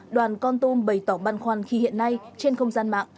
đoàn con tum bày tỏ băn khoăn khi hiện nay trên không gian mạng